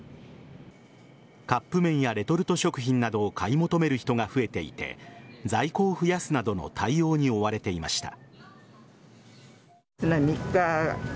カップ麺やレトルト食品などを買い求める人が増えていて在庫を増やすなどの対応に追われていました。